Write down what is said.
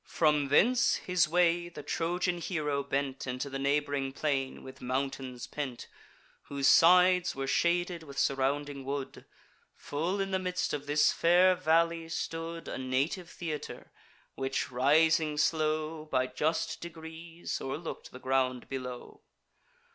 From thence his way the Trojan hero bent Into the neighb'ring plain, with mountains pent, Whose sides were shaded with surrounding wood. Full in the midst of this fair valley stood A native theatre, which, rising slow By just degrees, o'erlook'd the ground below.